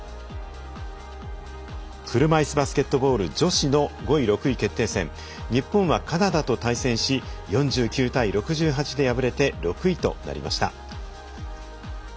車いすバスケットボール女子の５位、６位決定戦日本はカナダと対戦し４９対６８で敗れて６位となりました。